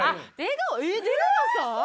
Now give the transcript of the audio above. え出川さん！？